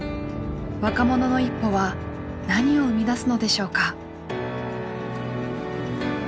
若者の一歩は何を生み出すのでしょうか？